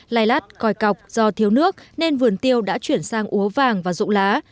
lai lát còi cọc do thiếu nước nên vườn tiêu đã chuyển sang uống vàng và rụng lá